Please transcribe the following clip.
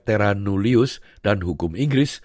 terranulius dan hukum inggris